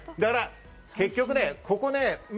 結局ここね。